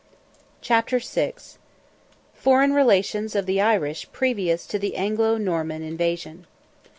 CHAPTER VI. FOREIGN RELATIONS OF THE IRISH PREVIOUS TO THE ANGLO NORMAN INVASION.